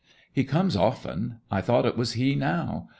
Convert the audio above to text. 'He comes often. I thought it was he now.